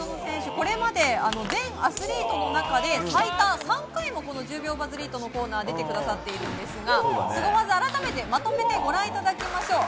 これまで全アスリートの中で最多３回も１０秒バズリートのコーナーに出てくださっているんですがスゴ技、改めてまとめてご覧いただきましょう。